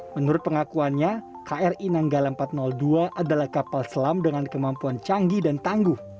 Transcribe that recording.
menurut pengakuannya kri nanggala empat ratus dua adalah kapal selam dengan kemampuan canggih dan tangguh